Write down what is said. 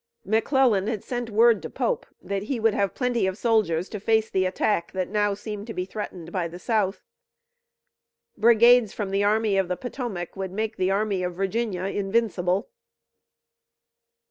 McClellan had sent word to Pope that he would have plenty of soldiers to face the attack that now seemed to be threatened by the South. Brigades from the Army of the Potomac would make the Army of Virginia invincible.